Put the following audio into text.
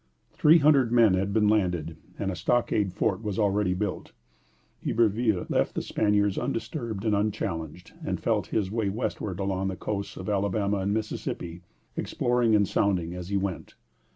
Three hundred men had been landed, and a stockade fort was already built. Iberville left the Spaniards undisturbed and unchallenged, and felt his way westward along the coasts of Alabama and Mississippi, exploring and sounding as he went.